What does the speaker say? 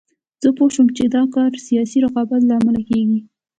زه پوه شوم چې دا کار سیاسي رقابت له امله کېږي.